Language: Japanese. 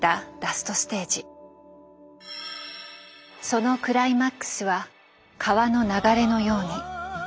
そのクライマックスは「川の流れのように」。